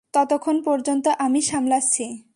ততক্ষণ পর্যন্ত আমি সামলাচ্ছি।